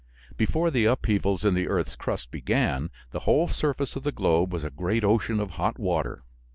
Before the upheavals in the earth's crust began, the whole surface of the globe was a great ocean of hot water.